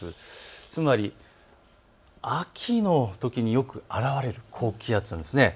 つまり秋のときによく現れる高気圧なんですね。